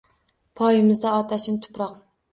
Poyimizda otashin tuprok